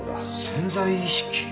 潜在意識？